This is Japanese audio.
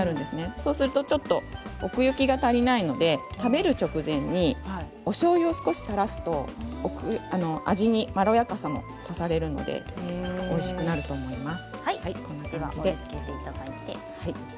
そうすると奥行きが足りないので食べる直前におしょうゆを少し垂らすと味にまろやかさも出ますのでおいしくなります。